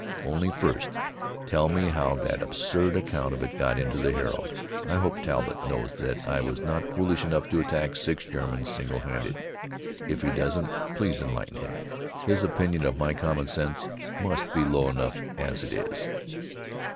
Only, first, tell me how that absurd account of it got into the "Herald"? I hope Talbott knows that I was not foolish enough to attack six Germans single handed. If he doesn't, please enlighten him. His opinion of my common sense must be low enough, as it is.